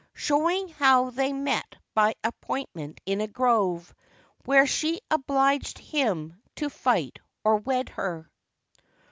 SHOWING HOW THEY MET BY APPOINTMENT IN A GROVE, WHERE SHE OBLIGED HIM TO FIGHT OR WED HER.